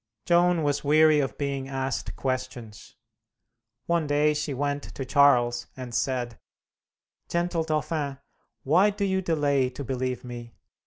Joan was weary of being asked questions. One day she went to Charles and said, "Gentle Dauphin, why do you delay to believe me?